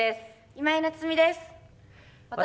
今井菜津美です。